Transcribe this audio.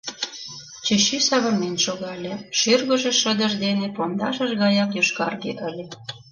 Чӱчӱ савырнен шогале, шӱргыжӧ шыдыж дене пондашыж гаяк йошкарге ыле.